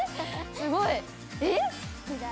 すごい！えっ？